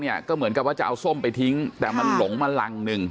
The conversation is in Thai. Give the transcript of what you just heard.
เหมือนกับว่าจะเอาส้มไปทิ้งแต่มันหลงมารังหนึ่ง